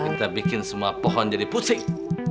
kita bikin semua pohon jadi pusing